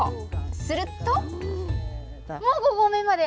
すると。